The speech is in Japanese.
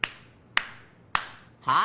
はい。